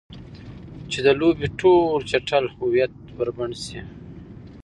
چې د لوبې ټول چټل هویت بربنډ شي.